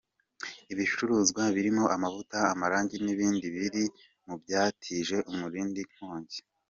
Ibicuruzwa birimo amavuta, amarangi n’ibindi biri mu byatije umurindi inkongi.